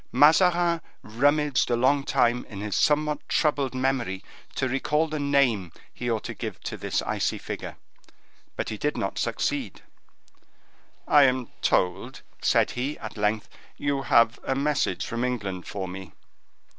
Mazarin rummaged a long time in his somewhat troubled memory to recall the name he ought to give to this icy figure, but he did not succeed. "I am told," said he, at length, "you have a message from England for me."